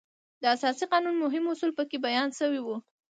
د اساسي قانون مهم اصول په کې بیان شوي وو.